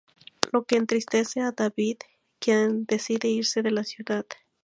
Lo que entristece a David, quien decide irse de la ciudad.